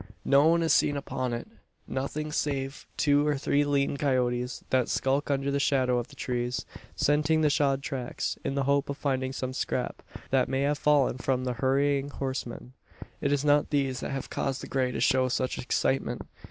No one is seen upon it nothing save two or three lean coyotes, that skulk under the shadow of the trees scenting the shod tracks, in the hope of finding some scrap, that may have fallen from the hurrying horsemen. It is not these that have caused the grey to show such excitement.